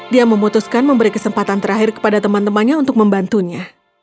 dia memutuskan memberi kesempatan terakhir kepada teman temannya untuk membantunya